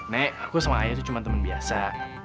nek aku sama ayah itu cuma teman biasa